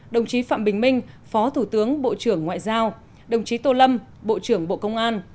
đồng chí phạm bình minh phó thủ tướng bộ trưởng ngoại giao đồng chí tô lâm bộ trưởng bộ công an